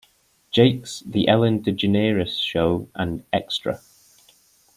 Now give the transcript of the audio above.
Jakes", "The Ellen DeGeneres Show" and "Extra".